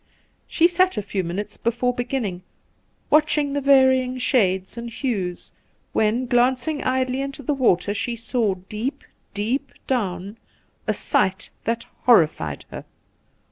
' She sat a few minutes before beginning, watch ing the varying shades and hues, when, glancing idly into the water, she saw deep, deep down, a sight that horrified her.